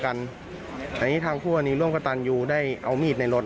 อันนี้ทางคู่กรณีร่วมกับตันยูได้เอามีดในรถ